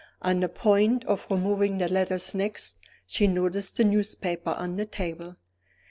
On the point of removing the letters next, she noticed the newspaper on the table.